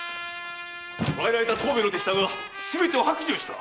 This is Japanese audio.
捕らえられた藤兵衛の手下がすべてを白状した。